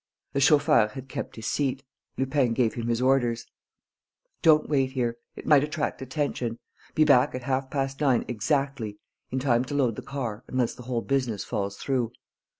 The chauffeur had kept his seat. Lupin gave him his orders: "Don't wait here. It might attract attention. Be back at half past nine exactly, in time to load the car unless the whole business falls through."